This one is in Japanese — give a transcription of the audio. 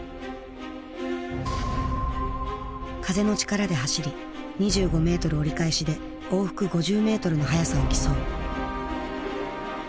風の力で走り２５メートル折り返しで往復５０メートルの速さを競う。